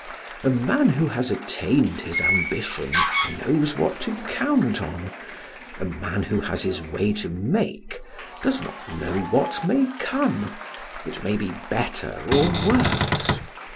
A man who has attained his ambition knows what to count on; a man who has his way to make does not know what may come it may be better or worse.